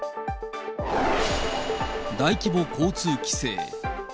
大規模交通規制。